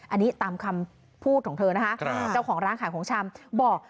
อันนี้ตามคำพูดของเธอนะคะเจ้าของร้านขายของชำบอก